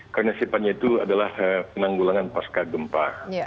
karena sifatnya itu adalah penanggulangan pasca gempa